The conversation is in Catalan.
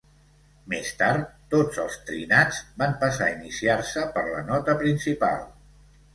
Més tard, tots els trinats van passar a iniciar-se per la nota principal.